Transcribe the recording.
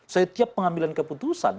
setiap pengambilan keputusan